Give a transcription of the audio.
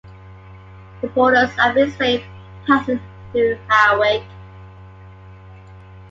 The Borders Abbeys Way passes through Hawick.